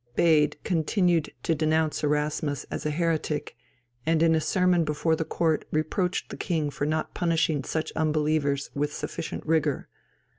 Bède continued to denounce Erasmus as a heretic, and in a sermon before the court reproached the king for not punishing such unbelievers with sufficient rigour.